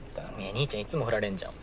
兄ちゃんいつもフラれんじゃん。